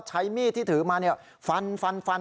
ใช้มีดที่ถือมาเนี่ยฟันฟันฟัน